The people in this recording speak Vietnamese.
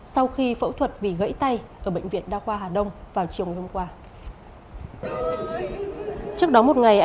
sau khi phẫu thuật vì gãy tay ở bệnh viện đa khoa hà đông vào chiều ngày hôm qua